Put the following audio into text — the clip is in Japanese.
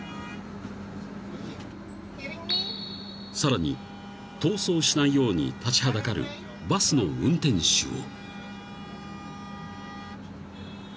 ［さらに逃走しないように立ちはだかるバスの運転手を］